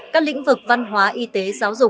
các lĩnh vực văn hóa y tế giáo dục